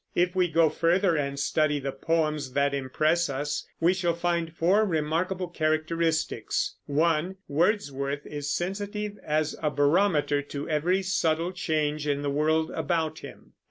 If we go further, and study the poems that impress us, we shall find four remarkable characteristics: (1) Wordsworth is sensitive as a barometer to every subtle change in the world about him.